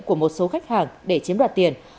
của một số khách hàng để chiếm đoạt tiền